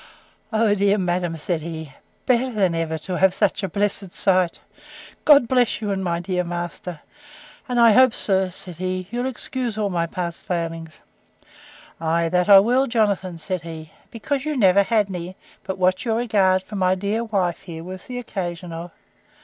O, dear madam! said he, better than ever, to have such a blessed sight! God bless you and my good master!—and I hope, sir, said he, you'll excuse all my past failings. Ay, that I will, Jonathan, said he; because you never had any, but what your regard for my dear wife here was the occasion of.